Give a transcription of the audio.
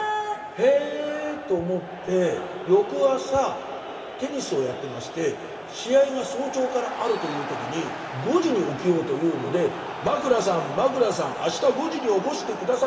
へえと思って翌朝テニスをやってまして試合が早朝からあるという時に５時に起きようというので「枕さん枕さんあした５時に起こして下さい」